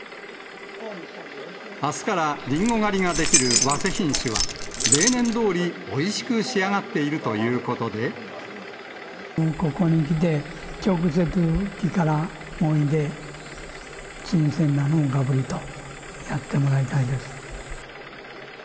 あすからりんご狩りができる早生品種は、例年どおりおいしく仕上ここにきて、直接木からもいで、新鮮なのをがぶりとやってもらいたいです。